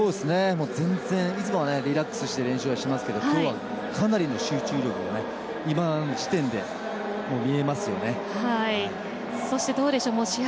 いつもはリラックスして練習してますけど今日はかなりの集中力で今の時点でそして、どうでしょう試合